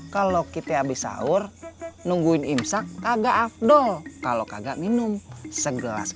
kalau kita habis sahur nungguin imsak agak afdol kalau kagak minum segelas